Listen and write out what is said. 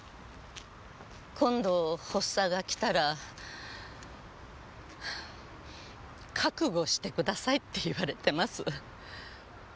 今度発作が来たら覚悟してくださいって言われてます。